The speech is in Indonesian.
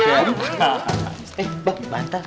eh bapak bantah